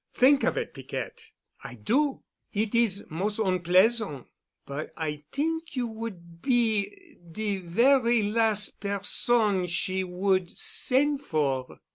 Think of it, Piquette." "I do. It is mos' onpleasan'. But I t'ink you would be de very las' person she would sen' for."